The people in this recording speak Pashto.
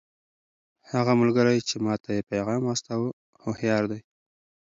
هغه ملګری چې ما ته یې پیغام واستاوه هوښیار دی.